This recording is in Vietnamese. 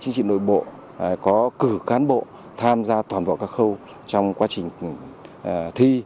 chính trị nội bộ có cử cán bộ tham gia toàn bộ các khâu trong quá trình thi